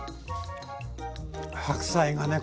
白菜がね